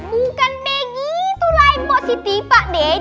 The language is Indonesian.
bukan begitulah impositif pak deh